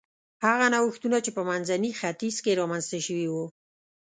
هغه نوښتونه چې په منځني ختیځ کې رامنځته شوي و